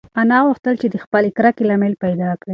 انا غوښتل چې د خپلې کرکې لامل پیدا کړي.